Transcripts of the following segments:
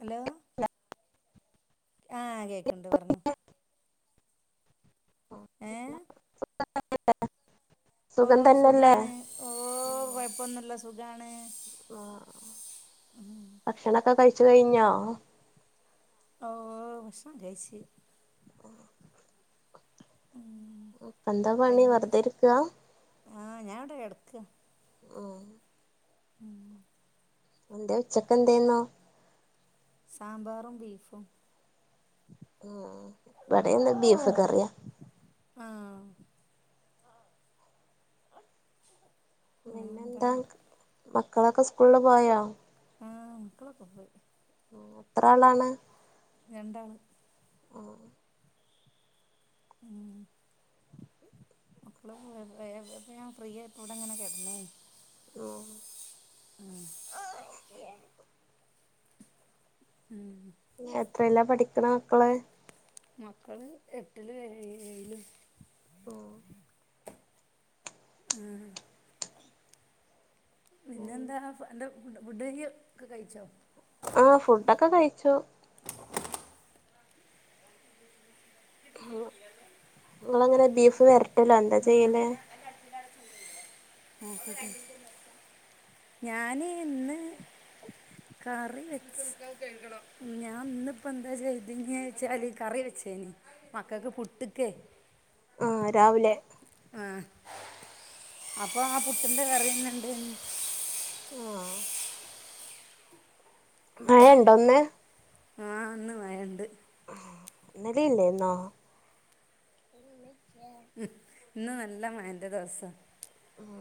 Hello ല്ല ആഹ കേക്കണ്ട് പറഞ്ഞോ ഏ ആ [unintelligible] ഓ സുഖമാണ് ഓ കുഴപ്പൊന്നല്ല സുഖമാണ് ആ ഭക്ഷണൊക്കെ കഴിച്ചു കഴിഞ്ഞോ ഓ ഭക്ഷണം കഴിച്ച് ഉം അപ്പൊ എന്താ പണി കഴിഞ്ഞോടി വെറുതെരിക്ക്വ ആഹ് ഞാൻ [unintelligible] ഓ ഉം എന്താ ഉച്ചക്കെ എന്തെന്നോ സാമ്പാറും ബീഫും ഉം ബടെ ന്ന് ബീഫ് കറിയ ആഹ് എന്താ പിന്നെന്താ മക്കളൊക്കെ സ്കൂളില് പോയോ ആ മക്കളൊക്കെ പോയി എത്ര ആളാണ് രണ്ടാള് ആഹ് ഉം മക്കള്പ്പ ഞാൻ ഫ്രീ ആയിട്ടപ്പോ വിടെ ങ്ങനെ കിടന്നേ ഉം ഉം എത്രല്ല പഠിക്കണ മക്കള് മക്കള് എട്ടിലും ഏ ഏഴിലും ഓ ഉം പിന്നെ എന്താ എന്റെ ഫുഡ് ഒക്കെ കഴിച്ചോ ആഹ് ഫുഡൊക്കെ കഴിച്ചു നിങ്ങള് എങ്ങനെ ബീഫ് വരട്ടല്ലോ എന്താ ചെയ്യല് ഞാന് ഇന്ന് കറി വെക്കും ഞാൻ ഇന്നിപ്പോ എന്താ ചെയ്തെച്ചാല് കറി വെ ശേനി മക്കൾക്ക് പുട്ട്ക്കെ ആഹ് രാവിലെ ആ അപ്പൊ ആ പുട്ടിന്റെ വേറെന്നണ്ട് ആഹ് മഴ ണ്ടന്ന് ആഹ് അന്ന് മഴണ്ട് ഇന്നലെയില്ലെന്നോ ഉം ഇന്ന് നല്ല മഴന്റെ ദിവസ ഉം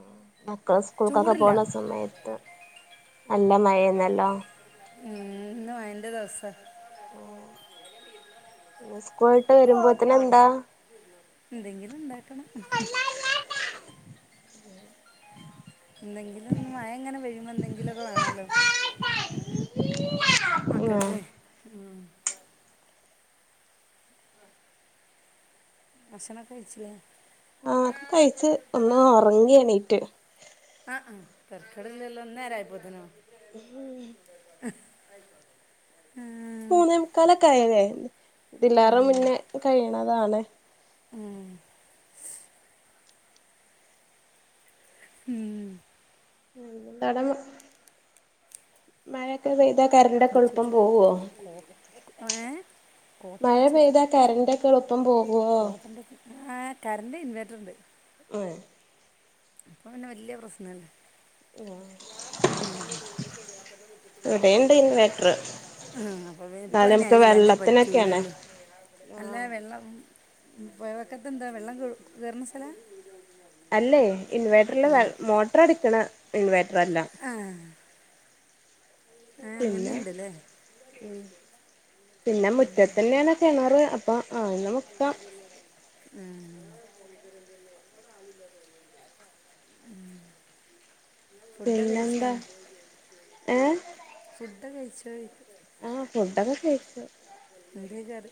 മക്കള് സ്കൂൾക്കാാക്കെ പോണ സമയത്ത് നല്ല മഴന്നല്ലോ ഉം ഇന്ന് മഴന്റെ ദിവസ ഉം പിന്നെ സ്കൂളട്ട് വരുമ്പോത്തനെ ന്താ എന്തെങ്കിലും ഉണ്ടാക്കണം എന്തെങ്കിലും മഴ ഇങ്ങനെ വെയ്യുമ്പോ എന്തെങ്കിലുമൊക്കെ വേണല്ലോ ആഹ് മക്കക്ക് ഭക്ഷണം കഴിച്ചില്ലേ ആഹ് ക്കെ കഴിച്ച് ഒന്ന് ഒറങ്ങി എണീറ്റ് ആ ആ തർക്കടിലെല്ലാ ന്നേരം ആയിപ്പോതിനോ ഉം ഉം മൂന്നേമുക്കാലൊക്കായലേ ഇതില്ലാരും മുന്നെ കയ്യ്ണതാണ് ഉം ഉം ഉന്തട മഴയൊക്കെ പെയ്ത ഏ മഴ പെയ്താ കറന്റ്‌ക്കെളുപ്പം പോകും കോട്ടന്റെ ആ കറന്റ് ഇൻവേർട്ടർ ഉണ്ട് ആഹ അപ്പൊ പിന്നെ വല്യ പ്രശ്നല്ല ആഹ ഉ ഇവിടെണ്ട് ഇൻവേട്ടർ ഉ അപ്പൊ ഇപ്പ എന്നാലും നമുക്ക് അയിലാഞാൻ വെള്ളത്തിനൊക്കെയാണ് പറ്റൂലല്ലോ അല്ല വെള്ളം പൊയവക്കത് എന്താ വെള്ളം കയറുന്ന സ്ഥല അല്ലേ ഇൻവേർട്ടറില് മോട്ടർ അടുക്കണ ഇൻവേർർ ആഹ പിന്നെ ഉ പിന്നെ മുറ്റത്തന്നെയണ് കിണറ് അപ്പൊ ആന്ന് മുക്കാം ഉം ഫുഡ് കഴിച്ചോ പിന്നെന്താ ഏ ഫുഡ കഴിചോ ആഹ് ഫുഡൊക്കെ ചയിച്ചു ഗർ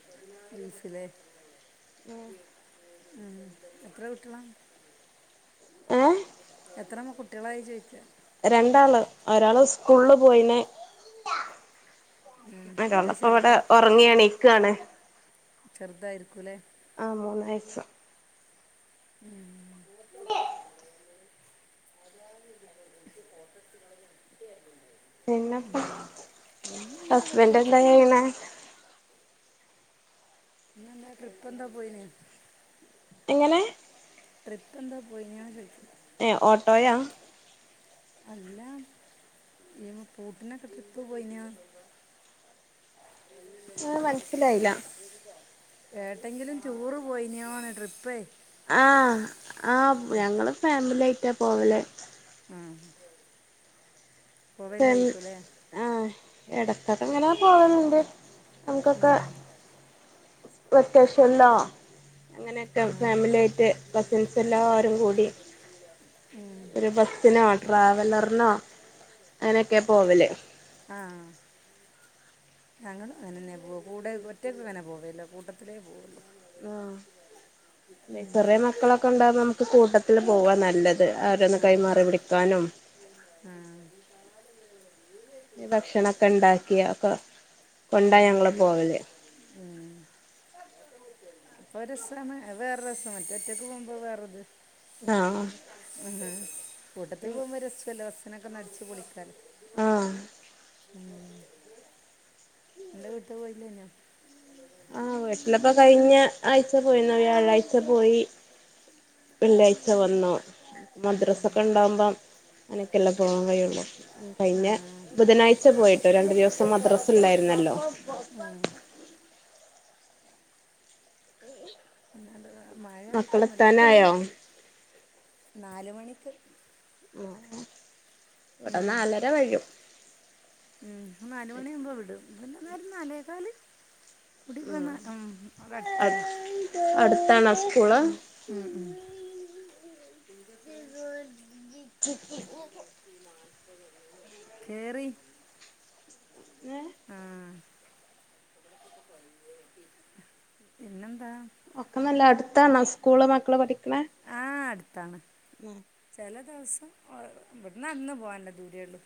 ഇൻസില്ലേ ഉ ഉം എത്ര കുട്ടികളെ എ എത്രമ്മ കുട്ടികളായി ചോയിക്ക രണ്ടാള് ഒരാള്സ്കൂൾള്പോയിന് ഉം മറ്റേ ഒരാളിപ്പിവിടെ ചെറുതാ ഉറങ്ങിയെണീക്കാണ് ചെറുതായിരിക്കൂല്ലേ ആ മൂന്നാഴ്ച്ച [unintelligible] [inaudible] പിന്നപ്പൊ ഇന്നെന്താ പ്രത്യേകിച്ചൊന്നുമില്ല ഹസ്ബന്റ്ന്താചെയ്ണെ പിന്നെന്താ ട്രിപ്പൊന്തൊപോയിനോ എങ്ങനെ ട്രിപ്പ്ന്താ പോയിനോചോയ്ച്ച ഏ ഓട്ടോയാ അല്ല പൂട്ടിനൊക്കെ ട്രിപ്പ്പോയിനോ [inaudible] ആഹ മനസ്സിലായില്ല ഏട്ടെങ്കിലും റ്റുറുപോയിന്നോയ്ട്രിപ്പേയ് ആഹ ആഹ് ഞങ്ങള്ഫാമിലിയിട്ടാപോവല് ആ പോവലിലേക്കൂല്ലേ [unintelligible] ആഹ എടകൊക്കെങ്ങനെ പോവല്ണ്ട് ഉം വെക്കേഷൻല്ലോ അങ്ങനെയൊക്കെ ആ ഫാമിലിയായിട്ട് കസിൻസ് എല്ലാവരുംകൂടി ഉം ഒരുബസ്സിനോ ട്രാവലർനോ അങ്ങനൊക്കെപോവല് ഞങ്ങളുംങ്ങനെന്നെപോവാ കൂടെ ഒറ്റയ്ക്ക്ങ്ങനെപോവേല കൂട്ടത്തിലേപോവുള്ളൂ ആ എ ഉം ചെറിയമക്കളൊകെണ്ടാകുമ്പോ നമുക്ക് കൂട്ടത്തില്പോവാനല്ലത് ഓരോന്ന് ആ കൈമാറിവിടിക്കാനും ആ ഈ ഭക്ഷണൊക്കെണ്ടാക്കിയക്കൊ ഫാമിലി [unintelligible] ഇപ്പൊരസാണ് അത് വേറെരസ മറ്റെ ഒറ്റക്ക്പോവുമ്പോ വേറെത് ആഹ് മ്ഹ് കൂട്ടത്തിൽപോകുമ്പോ രസമല്ലേ നടിച്ചുപൊളിക്ക ആഹ ന്റെ വീട്ടിൽപോയില്ലേനോ ആഹ വീട്ടിലൊക്കെ കഴിഞ്ഞ ആഴ്ച പോയിനു വ്യാഴയ്ച്ചപോയി വെള്ളിയാഴ്ച വന്നു ആ, മദ്രസൊക്കെണ്ടാവകുമ്പോ അങ്ങനക്കെല്ലെ പോവാൻ കഴിയുള്ളു ആ, കഴിഞ്ഞ ബുധനാഴ്ച പോയിട്ടോ രണ്ടുദിവസം മദ്രാസല്ലായിരുന്നല്ലോ ഈഹ് അല്ലാണ്ട് മഴ മക്കളെത്താനായോ? നാല്മണിക്ക് [unintelligible] ഇവിടെ നാലര കഴിയും ഉം നാലുമണിയവുമ്പോ വിടും പിന്നെന്നരനാലേക്കാല് കുടി പോന്ന അവിടെ അടുത്തന്നെ അടുത്താണോ സ്കൂള് ഉം ഉം ഉം [inaudible] [unintelligible] കേറി [unintelligible] ആ [inaudible] പിന്നെ താണൊസ്കൂള് മക്കള്ള് പഠിക്കണ? ഉം ചലദിവസം ഇവിടെന്ന് നടന്ന പോവാനുള്ളദൂരേള്ളു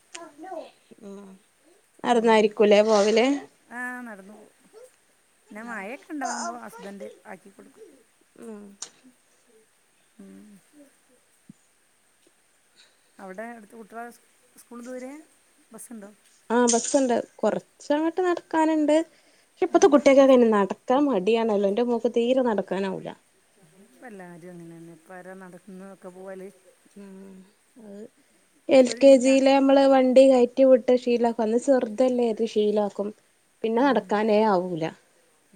ഉ നടന്നായിരിക്കൂലേ പോവല് ആഹ് നടന്നു പോകും പിന്നെ മയയൊക്കെ ഉണ്ടാവുമ്പോ ഹസ്ബൻഡ് ആക്കി കൊടുക്കും [unintelligible] ഉം അവിടെ അടുത്ത് കുട്ടികള സ്കൂള് ദൂരെയാ ബസ്സുണ്ടോ ആഹ ബസുണ്ട് കൊറച്ചങ്ങോട്ട് നടക്കാനുണ്ട് ഇപ്പത്തെ ഉം കുട്ടിയകൊക്കെ അയിന് നട ക്കാൻ മടിയാണല്ലോ എന്റെ മോക്ക് തീരെ നടക്കാനാവൂല ഇപ്പ എല്ലാവരും അങ്ങനെയന്നെ ഇപ്പ ആരാ നടക്കുന്നൊക്കെ പോവല് ഉം അത് എൽ ഒരു കെ വിധാ ജിയിലെ അമ്മള് വണ്ടി കയറ്റി വിട്ട ശീലം അപ്പ അത് ചെറതല്ലേ അത് ശീലാക്കും പിന്നെ നടക്കാനേ ആവൂല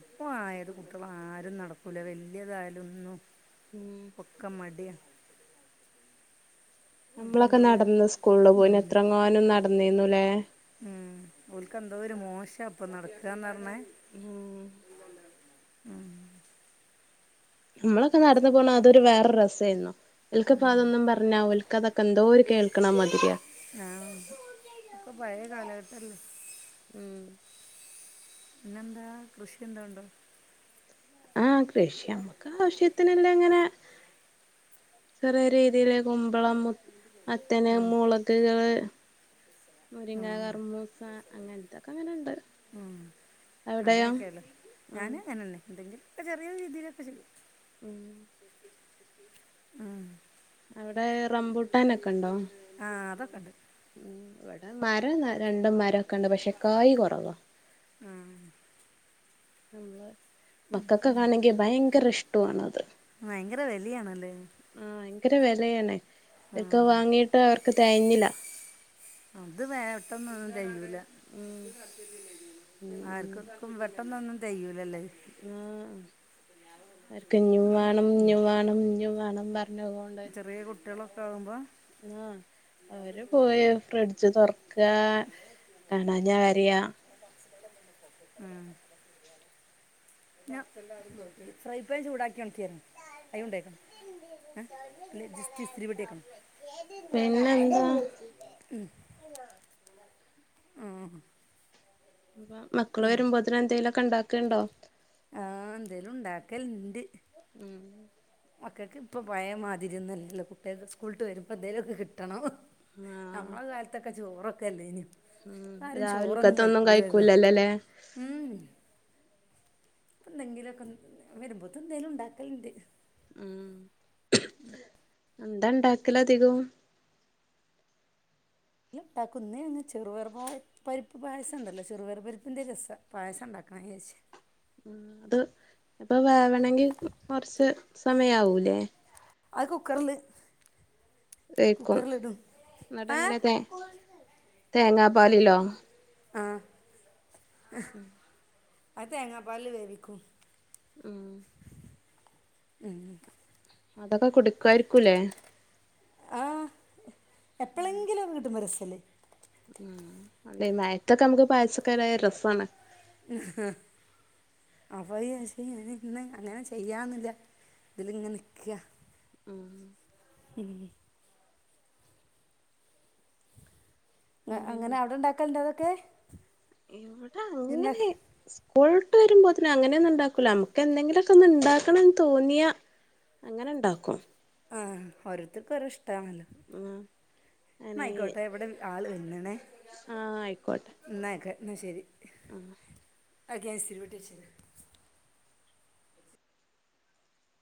ഇപ്പൊ ആയത് കുട്ടികള ആരും നടക്കൂല വല്യതായാലലൊന്നും ഒന്നും ഒക്ക മടിയ നമ്മളൊക്കെ ഓൽക്കെന്തോ ഒരു നടന്ന് സ്കൂളില് ഉം പോയിന എത്രങ്ങാനും നടന്നീന്നുലേ ഉം ഓല്ക്ക് എന്തോ ഒരു മോശം ചപ്പ നടക്കന്ന് പറഞ്ഞ നമ്മളൊക്കെ നടന്ന് പോണ അതൊരു വേറെ രസമായിരുന്നു ഇവലക്ക് ഉം അതൊന്നും പറഞ്ഞ ഓല്ക്ക് ക്കതൊക്കെന്തോര് കേൾക്കണ മാതിരിയ ആഹ ഒക്കെ പഴയ കാലഘട്ടല്ലേ ഉം പിന്നെന്താ കൃഷിയെന്താണ്ടോ ആഹ കൃഷി നമ്മുക്ക് ആവശ്യത്തിനല്ലാം ഇങ്ങനെ ചെറിയ രീതിയില് കുമ്പളം മത്തന് ഉം മുളകുകള് മുരിങ്ങ ഉം കറമൂസ അങ്ങനതൊക്കെ അങ്ങനെ ഇണ്ട് അങ്ങനെയൊക്കെയല്ലോ ഞാന് അങ്ങനെന്നെ എന്തെങ്കിലും ഒക്കെ ചെറിയ രീതിയിലൊക്കെ ചെയ്യും ഉം ആഹ് അവിടെ റബൂട്ടാനൊക്കെണ്ടോ ആഹ് അതൊക്കെ ഉണ്ട് ഇവിടെ മരം രണ്ടും മരംക്കെ ഉണ്ട് പക്ഷേ കായി കൊറവ ഉം നമ്മള് മക്കക്കൊക്കെ ആണെങ്കിൽ ഭയങ്കര ഇഷ്ടണത് ഭയങ്കര വെലയണല്ലേ ഭയങ്കര വിലയണേ ഇക്ക വാങ്ങിട്ട് അവർക്ക് തേകഞ്ഞില്ല അത് വേട്ടന്നൊന്നും തെയില്ല ഉം ഉം ആർക്കും പെട്ടന്നൊന്നും തെയൂലല്ലേ അത്‌ ഉം വർക്ക് ഇനിം വേണം ഉം ഇനിം വേണം ഇനിം വേണം ന്ന് പറ ചെറിയ കുട്ടികളൊക്കെ ആകുമ്പോൾ ആഹ അവര് പോയി ഫ്രിഡ്ജ് തൊറക്ക കാണാ ഞാൻ വരേയ ഉം ഞ ഫ്രൈഡ്രൈ ചൂടാക്കി ണക്കിന് കയ് കൊണ്ടന്നെ അല്ല ജി ഇസ്തിരി പെട്ടിക്കണം പിന്നെന്താ ഉം അപ്പ മക്കള് വരുമ്പോതിന് എന്തെങ്കലുമൊക്കെ ഉണ്ടാക്കുണ്ടോ ആഹ എന്തേലും ഉണ്ടാക്കലണ്ട് ഉം മക്കക്കിപം ഇപ്പോ പഴയ മാതിരി ഒന്നുല്ലല്ലോ കുട്ടികൾക്ക് സ്കൂള് വിട്ട് വരുമ്പോൾ എന്തേങ്കലുലൊക്കെ കിട്ടണം ആഹ് നമ്മള കാലത്തൊക്കെ ചോറൊക്കെല്ലേ അയിന് ഉം രാവിലക്കത്തൊന്നും കഴിക്കൂലല്ലല്ലേ ഉം ഇപ്പ എന്തെങ്കിലൊക്കെ വരുമ്പോതേലും എന്തേലും ഉണ്ടാക്കലിണ്ട് ഉം എന്താ ഉണ്ടാക്കല അധികം. അതി ഉണ്ടാക്കുന്നേ അങ് എല്ലാ ഉണ്ടാക്കും നന്ങ്ങൾചെറുപയർ പരിപ്പ് പായസം ഉണ്ടല്ലോ ചെറുപയർ പരിപ്പി്ന്റെ പായസം രസ ഉണ്ടാക്കും. ക്കച്ച് [unintelligible] അത് ഇപ്പൊ വേവണമെങ്കി കുറച്ച് സമയവൂലേ? അഹ് കുക്കറ്ല് വേക്കും ഏഹ് എന്നിട്ടങ്ങനെ തേങ്ങാപ്പാലല്ലോ ആ ഉം അത്‌ തേങ്ങാ പാല് വേവിക്കും. ഉം ഉം അതൊക്കെ കുടുക്കുയിരിക്കൂല്ലേ? ആഹ എപ്പോളെങ്കിലും കിട്ടുമ്പോ രസല്ലേ? ആ അല്ലേ മയത്തൊക്കെ നമുക്ക് പായസക്കായ രസണ്. ഉ അപ്പ ഇന്ന അങ്ങനെ. ചെയ്യാന്നില്ല ഇതിലിങ്ങനെ നിക്ക ഉം ഉം ഉ പിന്നെ അങ്ങനെ അവിടെ ഉണ്ടാക്കലുണ്ട് അതൊക്കെ ഇവിടെ അങ്ങനെ? ഉണ്ടാക്ക പുഴട്ട് വരുമ്പോ അ തന്നെ അങ്ങനെയൊന്നും ഉണ്ടാക്കൂല നമക്ക് എന്തെങ്കിലുമൊക്കെ ണ്ടാക്കണംന്ന് തോന്നിയ അങ്ങനെ ഉണ്ടാക്കും. ആഹ ഓരോർത്തർക്ക ഓരോ ഇഷ്ടണല്ലോ ഉം ന്നയ്ക്കോട്ടെ എവിടെ ആള് വ ആഹ ആയിക്കോട്ടെ. എന്നായിക്കോട്ടെ എന്നാൽ ശരി ഉ [unintelligible]